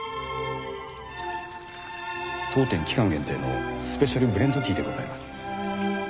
当店期間限定のスペシャルブレンドティーでございます。